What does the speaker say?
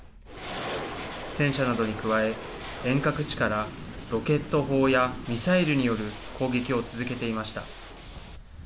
戦車などに加え遠隔地からロケット砲やミサイルによる攻撃を続けていました。